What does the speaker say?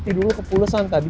tidur lo kepulesan tadi